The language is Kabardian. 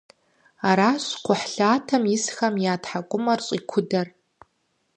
Аращ кхъухьлъатэм исхэм я тхьэкӏумэр щӏикудэр.